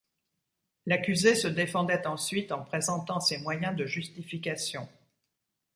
L'accusé se défendait ensuite en présentant ses moyens de justification.